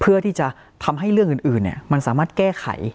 เพื่อที่จะทำให้เรื่องอื่นมันสามารถแก้ไข